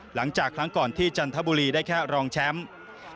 หลังจากครั้งก่อนที่จันทบุรีได้แค่รองแชมป์